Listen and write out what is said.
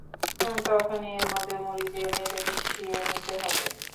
তখনই এর মধ্যে মুড়ি দিয়ে নেড়ে মিশিয়ে নিতে হবে।